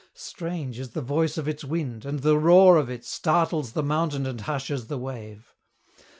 Strange is the voice of its wind, and the roar of it Startles the mountain and hushes the wave.